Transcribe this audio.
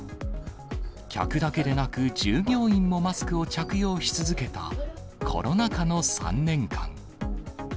客だけでなく、従業員もマスクを着用し続けた、コロナ禍の３年間。